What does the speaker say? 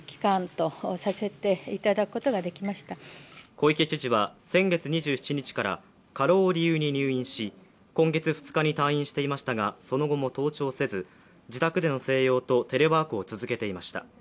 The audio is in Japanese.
小池知事は先月２７日から過労を理由に入院し、今月２日に退院していましたが、その後も登庁せず、自宅での静養とテレワークを続けていました。